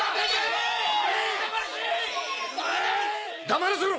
黙らせろ！